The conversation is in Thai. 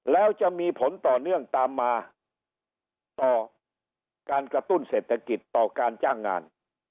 แล้วจะมีผลต่อเนื่องตามมาต่อการกระตุ้นเศรษฐกิจต่อการจ้างงาน